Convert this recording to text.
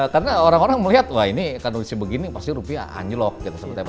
karena orang orang melihat wah ini kondisi begini pasti rupiah anjlok gitu